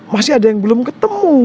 masih ada yang belum ketemu